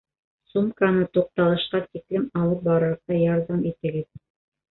Сумканы туҡталышҡа тиклем алып барырға ярҙам итегеҙ